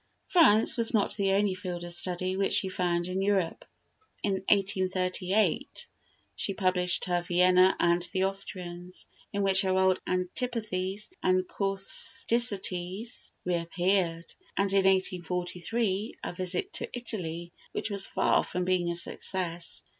France was not the only field of study which she found in Europe. In 1838 she published her "Vienna and the Austrians," in which her old antipathies and causticities reappeared; and in 1843, a "Visit to Italy," which was far from being a success.